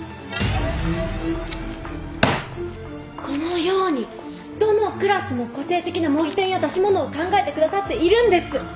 このようにどのクラスも個性的な模擬店や出し物を考えて下さっているんです！